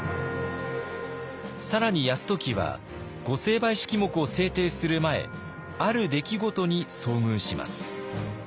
更に泰時は御成敗式目を制定する前ある出来事に遭遇します。